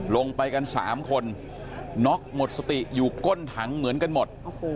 ลงไปกัน๓คนน็อกหมดสติอยู่ก้นถังเหมือนกันหมด